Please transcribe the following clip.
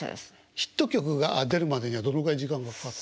ヒット曲が出るまでにはどのくらい時間がかかった。